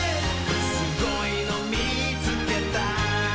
「すごいのみつけた」